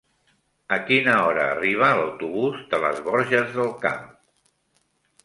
A quina hora arriba l'autobús de les Borges del Camp?